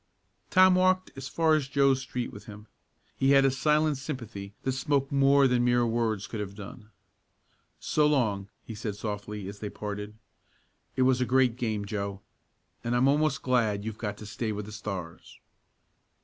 Tom walked as far as Joe's street with him. He had a silent sympathy that spoke more than mere words could have done. "So long," he said softly as they parted. "It was a great game, Joe, and I'm almost glad you've got to stay with the Stars."